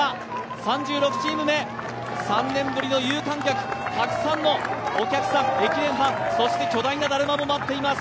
３６チーム目、３年ぶりの有観客、たくさんのお客さん、駅伝ファンそして巨大なだるまも待っています。